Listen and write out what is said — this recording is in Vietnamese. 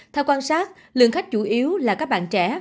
theo quan sát lượng khách chủ yếu là các bạn trẻ